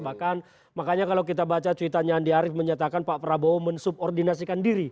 bahkan makanya kalau kita baca cuitannya andi arief menyatakan pak prabowo mensubordinasikan diri